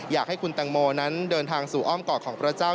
อยากให้คุณแตงโมนั้นเดินทางสู่อ้อมกอดของพระเจ้า